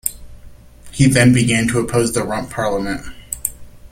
He then began to oppose the Rump Parliament.